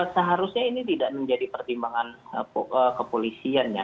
seharusnya ini tidak menjadi pertimbangan kepolisian ya